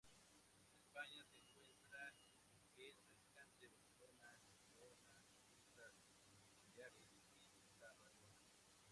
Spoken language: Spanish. En España se encuentra en Alicante, Barcelona, Gerona, Islas Baleares y Tarragona.